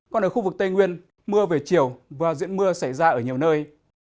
còn ở khu vực tây nguyên mưa về chiều và diễn mưa xảy ra ở nhiều nơi